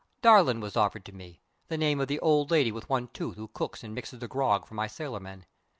Darlin' was offered to me the name of the old lady with one tooth who cooks and mixes the grog for my sailormen.